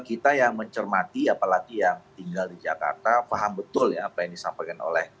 kita yang mencermati apalagi yang tinggal di jakarta faham betul ya apa yang disampaikan oleh